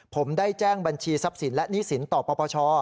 ผมได้แจ้งบัญชีทรัพย์สินและหนี้สินต่อปปช